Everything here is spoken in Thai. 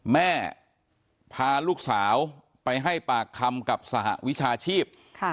แม่พาลูกสาวไปให้ปากคำกับสหวิชาชีพ